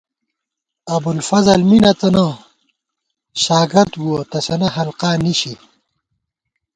ابُوالفضل می نہ تنہ ، شاگردبُوَہ ، تسَنہ حلقا نِشی